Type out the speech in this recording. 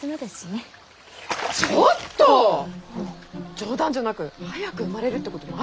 冗談じゃなく早く生まれるってこともあるからね！